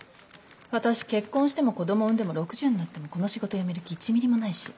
私結婚しても子どもを産んでも６０になってもこの仕事やめる気１ミリもないし。